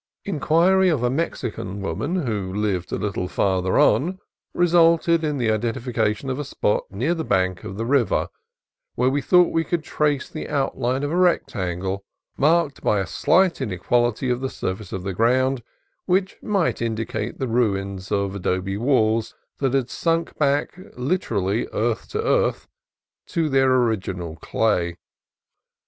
Inquiry of a Mexican woman who lived a little farther on resulted in the identification of a spot near the bank of the river, where we thought we could trace the outline of a rectangle, marked by a slight inequality THE FIRST MISSION SAN GABRIEL 7 of the surface of the ground, which might indicate the ruins of adobe walls that had sunk back, liter ally "earth to earth," to their original clay.